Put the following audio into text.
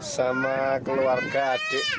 sama keluarga adik